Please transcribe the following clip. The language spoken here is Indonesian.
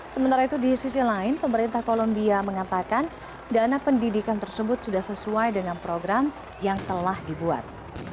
sementara itu di sisi lain pemerintah kolombia mengatakan dana pendidikan tersebut sudah sesuai dengan program yang telah dibuat